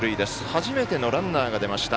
初めてのランナーが出ました